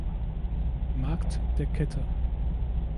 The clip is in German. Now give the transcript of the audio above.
Markt der Kette.